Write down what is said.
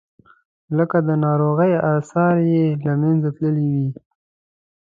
لکه د ناروغۍ آثار چې له منځه تللي وي.